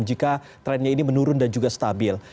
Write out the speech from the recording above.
jika trennya ini menurun dan juga stabil